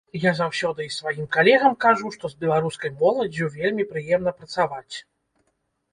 Я заўсёды і сваім калегам кажу, што з беларускай моладдзю вельмі прыемна працаваць.